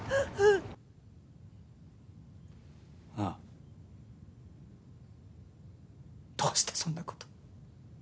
ああどうしてそんなこと？